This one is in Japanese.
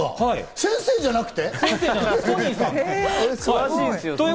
先生じゃなくて？